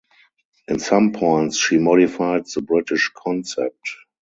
In some points she modified the British concept.